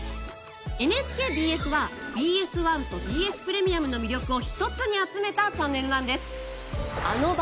ＮＨＫＢＳはＢＳ１とＢＳプレミアムの魅力を一つに集めたチャンネルなんです。